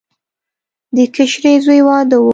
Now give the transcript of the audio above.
د کشري زوی واده و.